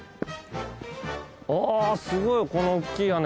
あすごいこのおっきい屋根。